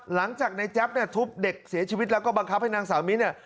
หลังจากในแจ๊บเนี่ยทุบเด็กเสียชีวิตแล้วก็บังคับให้นางสาวมิ้นเนี่ย